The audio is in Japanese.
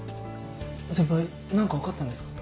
先輩何か分かったんですか？